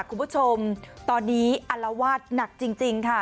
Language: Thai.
คุณผู้ชมตอนนี้อารวาสหนักจริงค่ะ